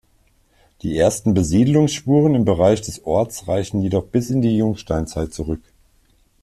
Die ersten Besiedlungsspuren im Bereich des Orts reichen jedoch bis in die Jungsteinzeit zurück.